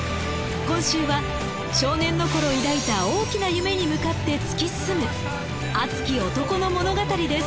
今週は少年のころ抱いた大きな夢に向かって突き進む熱き男の物語です。